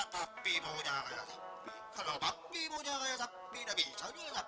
papi mau pergi bisnis